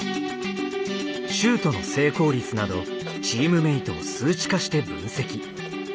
シュートの成功率などチームメートを数値化して分析。